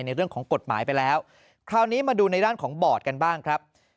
ในเรื่องของกฎหมายไปแล้วคราวนี้มาดูในด้านของบอร์ดกันบ้างครับ